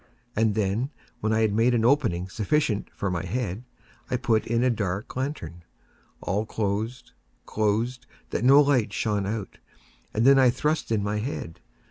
And then, when I had made an opening sufficient for my head, I put in a dark lantern, all closed, closed, that no light shone out, and then I thrust in my head.